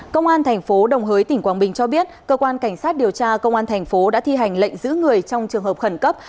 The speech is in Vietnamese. công an tp hcm cho biết cơ quan cảnh sát điều tra công an tp hcm đã thi hành lệnh giữ người trong trường hợp khẩn cấp